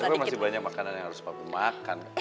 tapi masih banyak makanan yang harus papi makan